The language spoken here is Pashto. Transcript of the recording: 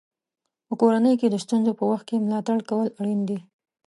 په کورنۍ کې د ستونزو په وخت کې ملاتړ کول اړین دي.